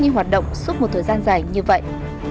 ngay như hoạt động suốt một thời gian dài như vậy